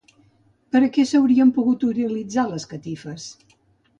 Per a què s'haurien pogut utilitzar les catifes?